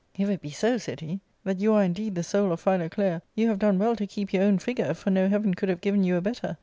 " If it be so," said he, "that you are indeed the soul of Philoclea, you have done well to keep your own figure ; for no heaven could have given you a better.